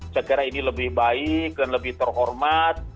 saya kira ini lebih baik dan lebih terhormat